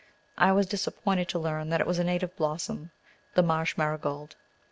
I was disappointed to learn that it was a native blossom, the marsh marigold.